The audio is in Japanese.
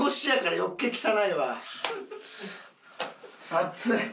熱い！